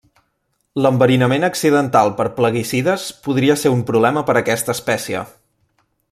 L'enverinament accidental per plaguicides podria ser un problema per aquesta espècie.